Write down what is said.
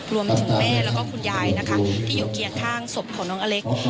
แม่แล้วก็คุณยายนะคะที่อยู่เคียงข้างศพของน้องอเล็ก